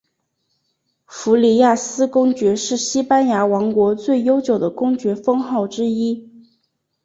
弗里亚斯公爵是西班牙王国最悠久的公爵封号之一。